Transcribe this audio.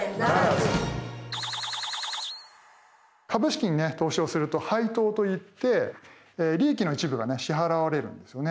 株式にね投資をすると配当といって利益の一部が支払われるんですよね。